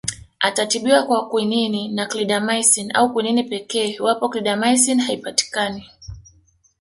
Atatibiwa kwa Kwinini na Clindamycin au Kwinini pekee iwapo Clindamycin haipatikani